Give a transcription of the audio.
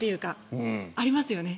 ありますよね？